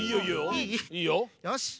いい？いいよ。よし。